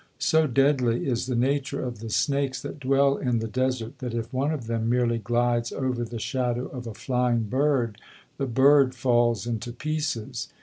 So deadly is the nature of the snakes that dwell in the desert, that if one of them merely glides over the shadow of a flying bird, the bird falls into pieces.